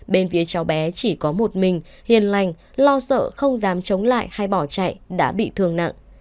bên phía cháu bé chỉ có một mình hiền lành lo sợ không dám chống lại hay bỏ chạy đã bị thương nặng